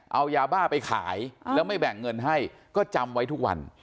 เอายาบ้าไปขายแล้วไม่แบ่งเงินให้ก็จำไว้ทุกวัน